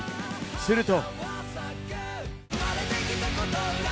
すると。